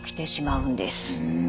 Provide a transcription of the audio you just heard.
うん。